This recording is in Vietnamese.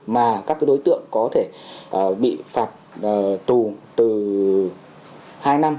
mà các đối tượng có thể bị phạt tù từ hai năm